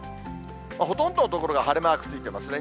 ほとんどの所が晴れマークついてますね。